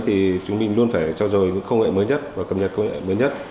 thì chúng mình luôn phải trao dồi những công nghệ mới nhất và cập nhật công nghệ mới nhất